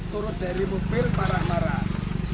turut dari mobil para marah